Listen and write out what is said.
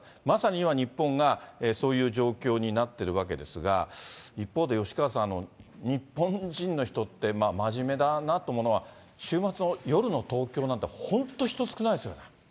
まさに今、日本がそういう状況になっているわけですが、一方で吉川さん、日本人の人って真面目だなと思うのは、週末の夜の東京なんて、本当、人少ないですよね。